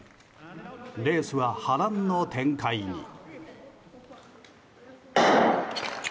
レースは波乱の展開に。